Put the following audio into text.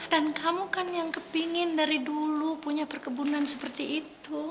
dan kamu kan yang kepingin dari dulu punya perkebunan seperti itu